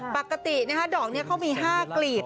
ปกติดอกนี้เขามี๕กลีบ